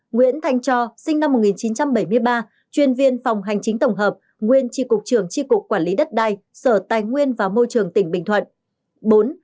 bốn nguyễn thanh cho sinh năm một nghìn chín trăm bảy mươi ba chuyên viên phòng hành chính tổng hợp nguyên tri cục trường tri cục quản lý đất đai sở tài nguyên và môi trường tỉnh bình thuận